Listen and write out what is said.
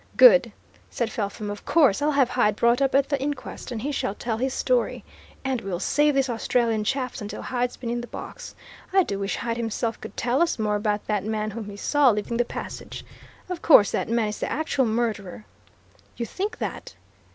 "Good!" said Felpham. "Of course, I'll have Hyde brought up at the inquest, and he shall tell his story. And we'll save these Australian chaps until Hyde's been in the box. I do wish Hyde himself could tell us more about that man whom he saw leaving the passage. Of course, that man is the actual murderer." "You think that?"